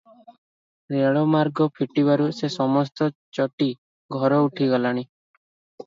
ରେଲମାର୍ଗ ଫିଟିବାରୁ ସେ ସମସ୍ତ ଚଟି ଘର ଉଠିଗଲାଣି ।